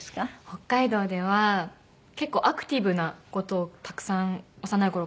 北海道では結構アクティブな事をたくさん幼い頃からしてて。